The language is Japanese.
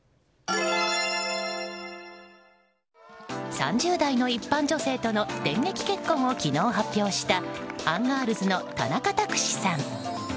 ３０代の一般女性との電撃結婚を昨日、発表したアンガールズの田中卓志さん。